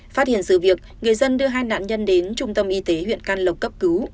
phát hiện sự việc người dân đưa hai nạn nhân đến trung tâm y tế huyện can lộc cấp cứu